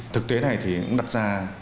thực tế này thì cũng đặt ra